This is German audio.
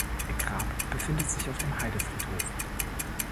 Ihr Grab befindet sich auf dem Heidefriedhof.